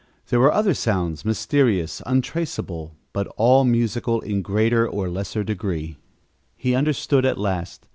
There were other sounds, mysterious, untraceable, but all musical in greater or lesser degree. He understood at last.